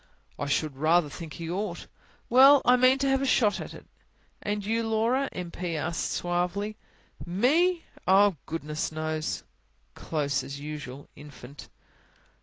"I should rather think he ought." "Well, I mean to have a shot at it." "And you, Laura?" M. P. asked suavely. "Me? Oh, goodness knows!" "Close as usual, Infant."